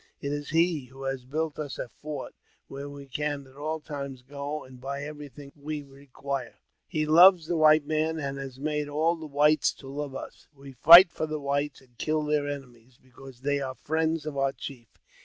It is he who has built us a fort, where we can at all times go and buy every thing we require. He loves the white man, and has made all the whites to love us. We fight for the whites, and kill their enemies, because they are friends of our chief.